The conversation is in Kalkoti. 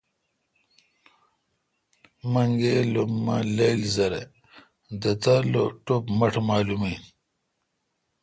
منگل کو مہ لییل زرہ۔ دھتر لو ٹپ مٹھ مالوم ان